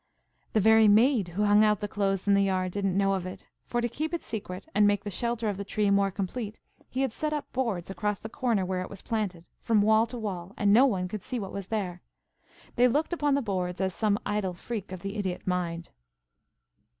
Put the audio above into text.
The very maid who hung out the clothes in the yard didn't know of it; for to keep the secret, and make the shelter of the tree more complete, he had set up boards across the corner where it was planted, from wall to wall, and no one could see what was there. They looked upon the boards as some idle freak of the idiot mind.